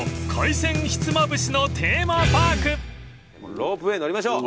ロープウエー乗りましょう。